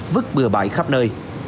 vứt bừa bãi khắp nơi